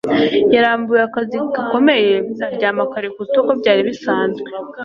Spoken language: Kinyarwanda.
Yarambiwe akazi gakomeye, aryama kare kuruta uko byari bisanzwe.